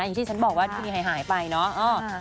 อย่างที่ฉันบอกว่าทีวีหายไปเนาะ